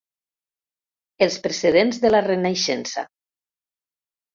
Els precedents de la Renaixença.